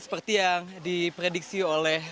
seperti yang diprediksi oleh